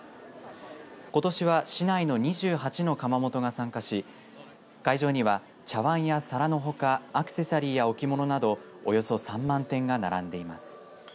ことしは市内の２８の窯元が参加し会場には、茶わんや皿のほかアクセサリーや置物などおよそ３万点が並んでいます。